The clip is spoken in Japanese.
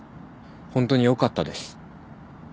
ホントによかったです。